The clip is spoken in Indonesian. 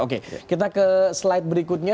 oke kita ke slide berikutnya